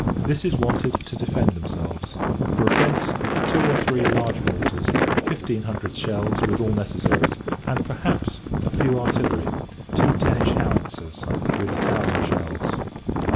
This is wanted, to defend themselves: for offence, two or three large mortars; fifteen hundred shells, with all necessaries; and, perhaps, a few artillery two ten inch howitzers, with a thousand shells.